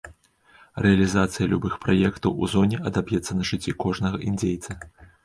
Рэалізацыя любых праектаў у зоне адаб'ецца на жыцці кожнага індзейца.